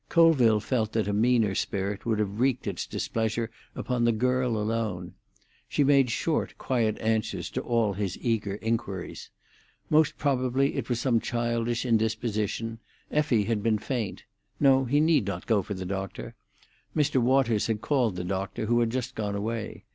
Colville felt that a meaner spirit would have wreaked its displeasure upon the girl alone. She made short, quiet answers to all his eager inquiries. Most probably it was some childish indisposition; Effie had been faint. No, he need not go for the doctor. Mr. Waters had called the doctor, who had just gone away.